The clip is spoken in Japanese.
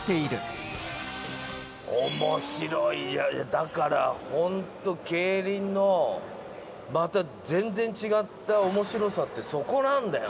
だからホント競輪のまた全然違った面白さってそこなんだよね。